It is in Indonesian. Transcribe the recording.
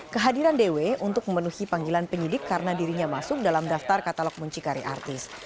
kehadiran dw untuk memenuhi panggilan penyidik karena dirinya masuk dalam daftar katalog muncikari artis